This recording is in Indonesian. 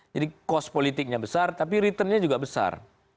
jadi cost politiknya besar tapi returnnya juga besar